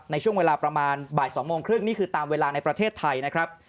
ในช่วงเวลาประมาณบ่าย๒โมงครึ่งนี่คือตามเวลาในประเทศไทยนะครับ